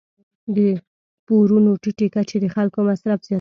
د پورونو ټیټې کچې د خلکو مصرف زیاتوي.